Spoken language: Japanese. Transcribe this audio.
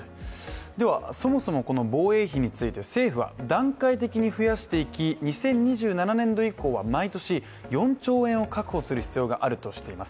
では、そもそも防衛費について政府は段階的に増やしていき２０２７年度以降は毎年４兆円を確保する必要があるとしています。